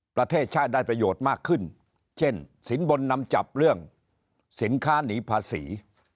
ประเทศชาติได้ประโยชน์มากขึ้นเช่นสินบนนำจับเรื่องสินค้านีภาษี